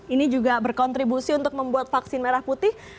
ini juga berkontribusi untuk membuat vaksin merah putih